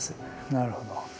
なるほど。